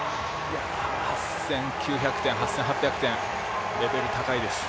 ８９００点、８８００点、レベル高いです。